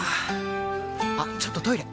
あっちょっとトイレ！